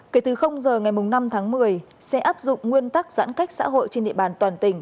kể từ giờ ngày năm tháng một mươi sẽ áp dụng nguyên tắc giãn cách xã hội trên địa bàn toàn tỉnh